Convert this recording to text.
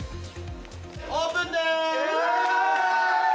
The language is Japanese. オープンです！